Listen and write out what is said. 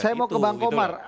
saya mau ke bang komar